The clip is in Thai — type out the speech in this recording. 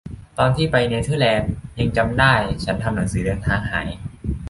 ตอนที่ไปเนเธอร์แลนด์ ยังจำได้ ฉันทำหนังสือเดินทางหาย